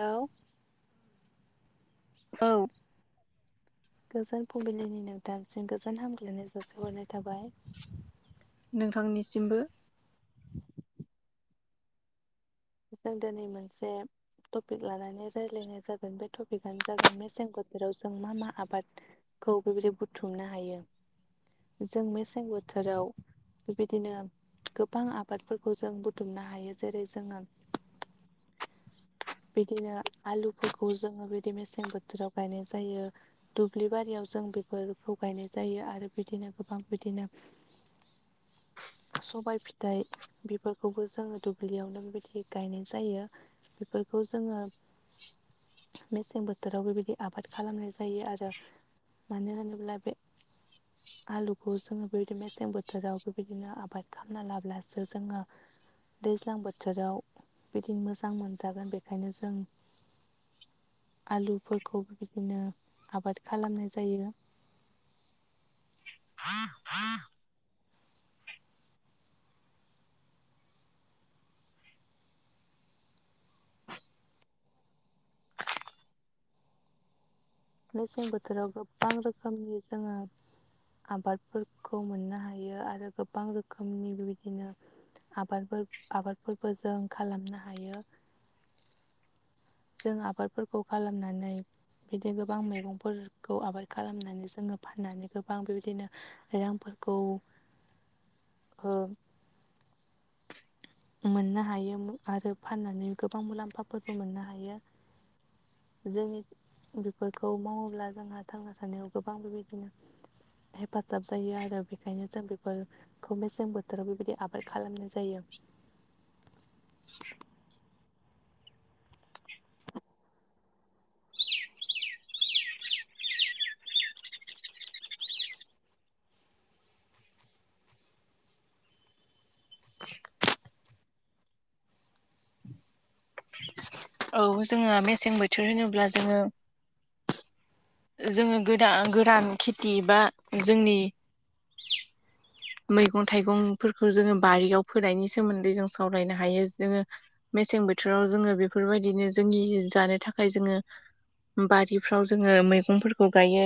Hello औ गोजोन फुंबिलिनि नोंथांसिम गोजोन हामग्लायनाय जासिहरनाय थाबाय नोंथांनिसिमबो जों दिनै मोनसे टपिक लानानै रायज्लायनाय जागोन बे टपिकआनो जागोन मेसें बोथोराव जों मा मा आबाद खौ बेबायदि बुथुमनो हायो जों मेसें बोथोराव बेबायदिनो गोबां आबादफोरखौ जों बुथुमनो हायो जेरै जोङो [unintelligible] बिदिनो आलुफोरखौ जोङो बिदि मेसें बोथोराव गायनाय जायो दुब्लि बारियाव जों आ बेफोरखौ गायनाय जायो आरो बिदिनो गोबां बिदिनो सबाय फिथाइ बेफोरखौबो जोङो दुब्लियावनो बिदि गायनाय जायो बेफोरखौ जोङो मेसें बोथोराव बेबायदि आबाद खालामनाय जायो आरो मान होनदोंब्लाय बे आलुखौ जोङो बेबायदि मेसें बोथोराव बेबायदिनो आबाद खालामना लाब्लासो जोङो दैज्लां बोथोराव बिदिनो मोजां मोनजागोन बेखायनो जों आलुफोरखौ बिदिनो आबाद खालामनाय जायो [inaudible] मेसें बोथोराव गोबां रोखोमनि जोङो आबादफोरखौ मोननो हायो आरो गोबां रोखोमनि बेबायदिनो आबाद आबादफोरबो जों खालामनो हायो जों आबादफोरखौ खालामनानै बिदि गोबां मैगंफोरखौ आबाद खालामनानै जोङो फाननानै गोबां बेबायदिनो रांफोर खौ ओ मोननो हायो आरो फाननानै गोबां मुलाम्फाफोरबो मोननो हायो आरो जोंनि बेफोरखौ मावोब्ला जोंहा थांना थानायाव गोबां बेबायदिनो हेफाजाब जायो आरो बेखायनो जों बेफोरखौ मेसें बोथोराव बेबायदि आबाद खालामनाय जायो जायो औ जोङो मेसें बोथोर होनोब्ला जोङो जोङो गोदान गोरान खेथि बा जोंनि मैगं थाइगंफोरखौ जोङो बारिआव फोनायनि सोमोन्दै जों सावरायनो हायो जोङो मेसें बोथोराव जोङो बेफोरबायदिनो जोंनि जानो थाखाय जोङो बारिफ्राव जोङो मैगंफोरखौ गायो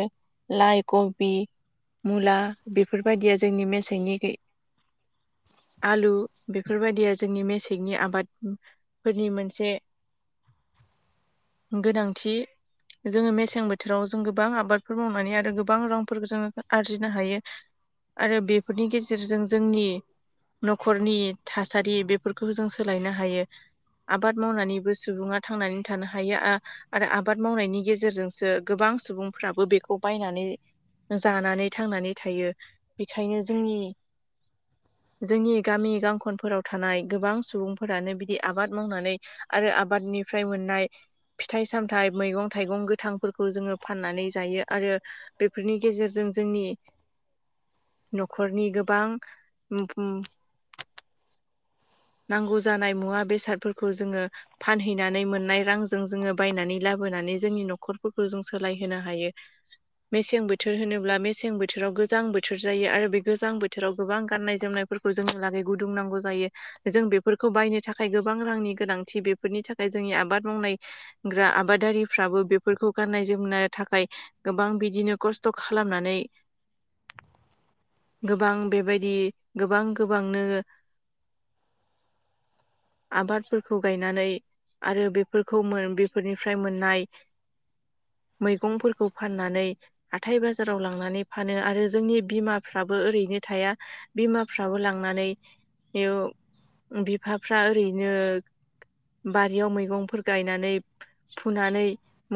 लाइ खबि मुला बेफोरबायदिया जोंनि मेसेंनि गै आलु बेफोरबायदिया जोंनि मेसेंनि आबादफोरनि मोनसे [unintelligible] गोनांथि जोङो मेसें बोथोराव जों गोबां आबादफोर मावनानै आरो गोबां रांफोरखौ जोङो आरजिनो हायो। आरो बेफोरनि गेजेरजों जोंनि न'खरनि थासारि बेफोरखौबो जों सोलायनो हायो। आबाद मावनानैबो सुबुङा थांनानै थानो हायो आरो आबाद मावनायनि गेजेरजोंसो गोबां गोबां सुबुंफ्राबो बेखौ बायनानै जानानै थांनानै थायो बेखायनो जोंनि [unintelligible] जोंनि गामि गांखनफोराव थानाय गोबां सुबुंफोरानो बिदि आबाद मावनानै आरो आबादनि निफ्राय मोननाय फिथाइ सामथाइ मैगं थाइगं गोथांफोरखौ जोङो फाननानै जायो आरो बेफोरनि गेजेरजों जोंनि [unintelligible] न'खरनि गोबां नांगौ जानाय मुवा बेसादफोरखौ जोङो फानहैनानै मोननाय रांजों जोङो बायनानै लाबो नानै जोंनि न'खरफोरखौ जों सोलाय होनो हायो मेसें बोथोर होनोब्ला मेसें बोथोराव गोजां बोथोर जायो आरो बे गोजां बोथोराव गोबां गाननाय जोमनाय फोरखौ जोंलागै गुदुंनांगौ जायो जों बेफोरखौ बायनो थाखाय गोबां रांनि गोनांथि बेफोरनि थाखाय जोंनि आबाद मावनायग्रा आबाद दारिफ्राबो बेफोरखौ गाननाय जोमनो थाखाय गोबां बिदिनो खस्थ' खालामनानै [unintelligible] गोबां बेबायदि गोबां गोबां [unintelligible] आबादफोरखौ गायनानै आरो बेफोरखौ मोन-बेफोरनिफ्राय मोननाय [unintelligible] मैगंफोरखौ फाननानै हाथाय बाजाराव लांनानै फानो आरो जोंनि बिमाफ्राबो ओरैनो थाया बिमाफ्राबो लांनानै बेयाव बिफाफ्रा ओरैनो बारियाव मैगंफोर गायनानै फुनानै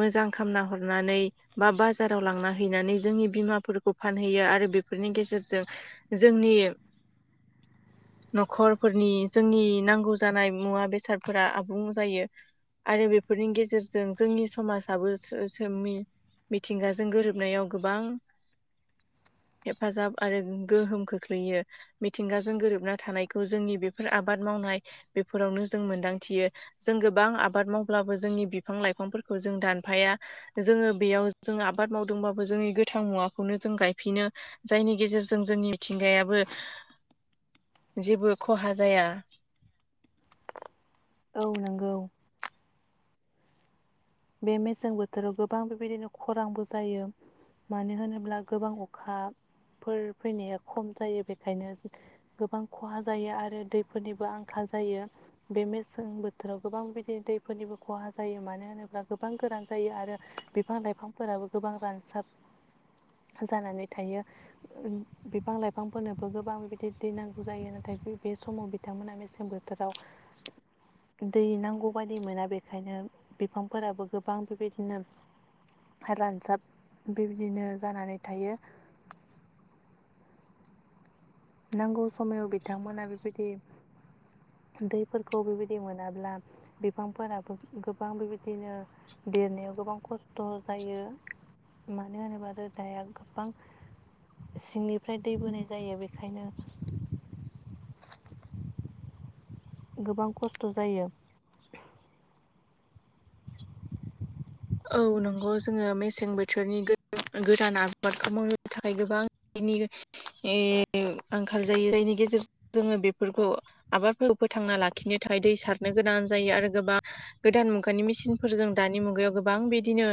मोजां खामना हरनानै बा बाजाराव लांना हैनानै जोंनि बिमाफोरखौ फानहोयो आरो बेफोरनि गेजेरजों जोंनि [inaudible] न'खर फोरनि जोंनि नांगौ जानाय मुवा बेसादफोरा आबुं जायो। आरो बेफोरनि गेजेरजों जोंनि समाजाबो सो-सोमि मिथिंगाजों गोरोबनायाव गोबां हेफाजाब आरो गोहोम खोख्लैयो। मिथिंगाजों गोरोबना थानायखौ जोंनि बेफोर आबाद मावनाय बेफोरावनो जों मोनदांथियो। जों गोबां आबाद मावब्लाबो जोंनि बिफां-लाइफांफोरखौ जों दानफाया, जोङो बेयाव जों आबाद मावदोंबाबो जोंनि गोथां मुवाखौनो जों गायफिनो जायनि गेजेरजों जोंनि मिथिंगायाबो [unintelligible] जेबो खहा जाया। औ नोंगौ। बे मेसें बोथोराव गोबां बेबायदिनो खरांबो जायो मानो होनोब्ला गोबां अखा फोर फैनाया खम जायो बेखायनो गोबां खहा जायो आरो दैफोरनिबो आंखाल जायो। बे मेसें बोथोराव गोबां बिदिनो दैफोरनिबो खहा जायो मानो होनोब्ला गोबां गोरान जायो आरो बिफां-लाइफांफोराबो गोबां रानसाब जानानै थायो बिफां-लाइफांफोरनोबो गोबां बिदि दै नांगौ जायो नाथाय बे समाव बिथांमोना मेसें बोथोराव दै नांगौ बायदि मोना बेखायनो बिफांफोराबो गोबां बेबायदिनो रानसाब बेबिदिनो जानानै थायो। नांगौ समायाव बिथांमोना बिबायदि दैफोरखौ बेबायदि मोनाब्ला बिफांफोराबो गोबां बेबाय दिनो देरनायाव गोबां खस्थ' जायो। मानो होनोबा रोदाया गोबां सिंनिफ्राय दै बोनाय जायो बे। ओंखायनो गोबां खस्थ' जायो औ नंगौ जोङो मेसें बोथोरनि गोदान आबादखौ मावनो थाखाय गोबां दैनि आंखाल जायो दैनि गेजेरजों जोङो बेफोरखौ आबादखौ फोथांना लाखिनो था खाय दै सारनो गोनां जायो आरो गोबां गोदान मुगानि मेसिनफोरजों दानि मुगायाव गो बां बिदिनो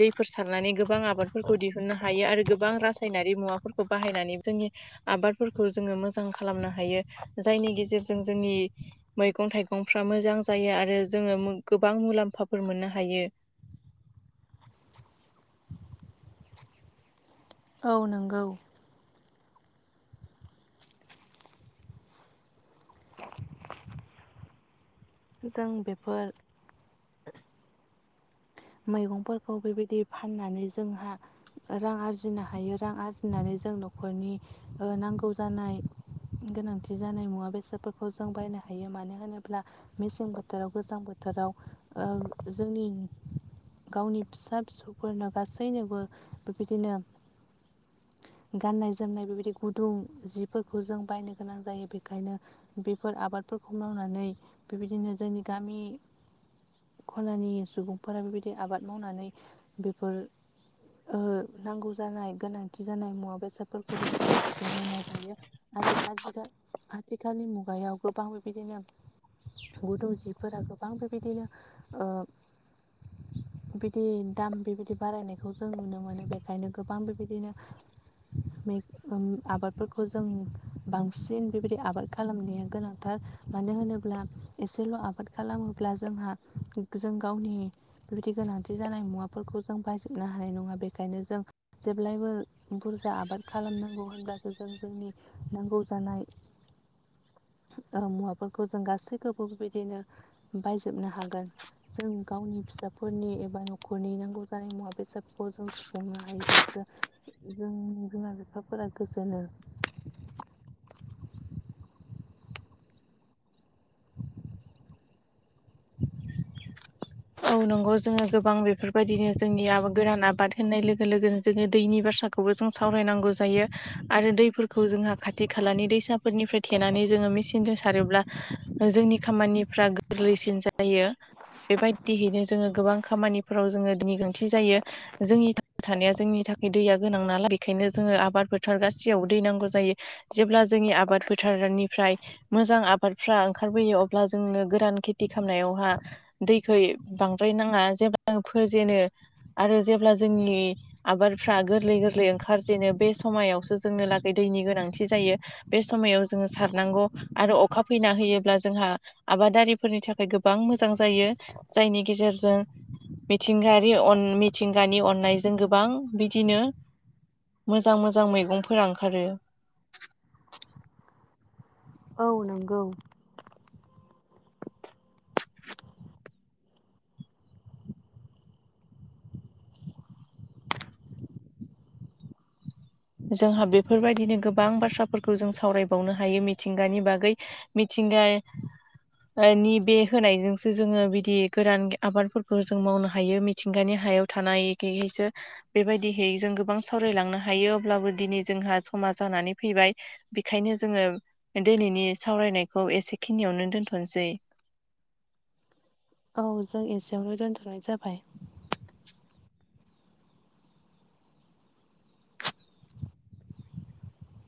दैफोर सारनानै गोबां आबादफोरखौ दिहुननो हायो आरो गोबां रासायनारि मुवाफोर खौ बाहायनानै जोंनि आबादफोरखौ जोङो मोजां खालामनो हायो‌। जायनि गेजेरजों जोंनि मैगं-थाइगंफ्रा मोजां जायो आरो जोङो गोबां मुलाम्फाफोर मोननो हायो। औ नोंगौ। जों बेफोर मैगंफोरखौ बेबायदि फाननानै जोंहा रां आरजिनो हायो। रां आरजिनानै जों न'खरनि ओ नांगौ जानाय गोनांथि जानाय मुवा बेसादफोरखौ जों बायनो हायो, मानो होनोब्ला मेसें बोथोराव गोजां बो थोराव ओ जोंनि गावनि फिसा फिसौफोरनो गासैनोबो बेबायदिनो [unintelligible] गाननाय जोमनाय बेबायदि गुदुं जिफोरखौ जों बायनो गोनां जायो बेखायनो बेफोर आबाद फोरखौ मावनानै बेबायदिनो जोंनि गामि खनानि सुबुं फोरा बेबायदि आबाद मावनानै बेफोर ओ नांगौ जानाय गोनांथि जानाय मुवा बेसादफोरखौबो बिदिनो सुफुंनो नाजायो। आरो आजिखा आथिखालनि मुगायाव गोबां बेबायदिनो गुदुं जिफोरा गोबां बेबायदिनो ओ बिदि दाम बेबायदि बारायनायखौ जों नुनो मोनो। बेखायनो गोबां बेबायदिनो मेग उम आबादफोरखौ जों बांसिन बेबायदि आबाद खालामनाया गोनांथार। मानो होनोब्ला एसेल' आबाद खालामोब्ला जोंहा जों गावनि बेबायदि गोनांथि जानाय मुवाफोरखौ जों बायजोबनो हानाय नङा बेखायनो जों जेब्लायबो बुरजा आबाद खालामनांगौ होनब्लासो जों जोंनि नांगौ जानाय ओ मुवाफोरखौ जों गासैखौबो बेबायदिनो बायजोबनो हागोन। जों गावनि फिसाफोरनि एबा न'खरनि नांगौ जानाय मुवा बेसादफोरखौ जों सुफुंनो हायोब्लासो जों जोंनि बिमा बिफाफोरा गोजोनो। औ नंगौ जोङो गोबां बेफोर बायदिनो जोंनि आब गोरान आबाद होननाय लोगो लोगोनो जोङो दैनि बाथ्राखौबो जों सावरायनांगौ जायो। आरो दैफोरखौ जोंहा खाथि खालानि दैसाफोरनिफ्राय थेनानै जोङो मेचिनजों सारोब्ला जोंनि खामानिफ्रा गोरलैसिन जायो। बेबायदियैनो जोंङो गोबां खामानिफोराव जोंङो दैनि गोनांथि जायो। जोंनि थांना थानाया जोंनि थाखाय दैया गोनां नालाय बेखायनो जोङो आबाद फोथार गाससियावबो दै नांगौ जायो जेब्ला जोंनि आबाद फोथारनिफ्राय मोजां आबादफ्रा ओंखारबोयो अब्ला जोंनो गोरान खेथि खालामनायावहा दैखौै बांद्राय नाङा जेब्ला जों फोेजेनो आरो जेब्ला जोंनि आबादफ्रा गोरलै गोरलै ओंखार जेनो बे समायावसो जोंनो लागै दैनि गोनांथि जायो। बे समा याव जोङो सारनांगौ आरो अखा फैना होयोब्ला जोंहा आबादारिफोरनि थाखाय गोबां मोजां जायो जायनि गेजेरजों मिथिंगायारि अन मिथिंगानि अननायजों गोबां बिदिनो मोजां मोजां मैगंफोरा ओंखारो। औ नंगौ। जोंहा बेफोरबायदिनो गोबां बाथ्राफोरखौ जों सावरायबावनो हायो मिथिंगानि बागै मिथिं गाया नि बे होनायजोंसो जोङो बिदि गोरान आबादफोरखौ जों मावनो हायो। मिथिंगानि हाया याव थानाय [unintelligible] बेबायदिहै जों गोबां सावरायलांनो हायो। अब्लाबो दिनै जोंहा समा जानानै फैबाय बेखायनो जोङो दिनैनि सावरायनायखौ औ एसेखिनियावनो दोनथ'नोसै। औ जों एसेयावनो दोनथ'नाय जाबाय।